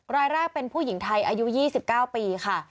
รายแรกเป็นผู้หญิงไทยอายุ๒๙ปีค่ะ